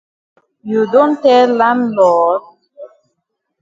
You don tell landlord?